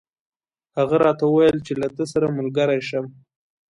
هغه راته وویل چې له ده سره ملګری شم.